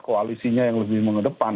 koalisinya yang lebih mengedepan